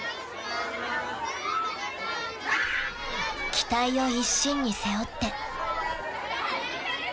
［期待を一身に背負って］